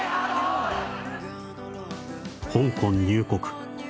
「香港入国！！